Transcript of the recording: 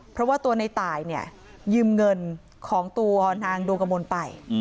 เพราะว่าตัวในตายเนี่ยยืมเงินของตัวนางดวงกระมวลไป